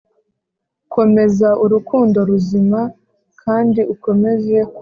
komeza urukundo ruzima kandi ukomeze kuramba.